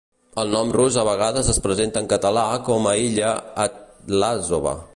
El nom rus a vegades es presenta en català com a illa Atlásova.